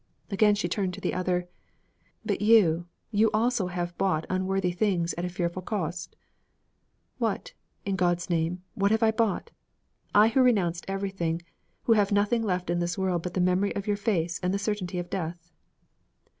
Again she turned to the other. 'But you, you also have bought unworthy things at fearful cost?' 'What? In God's name, what have I bought? I who renounced everything, who have nothing left in this world but the memory of your face and the certainty of death?'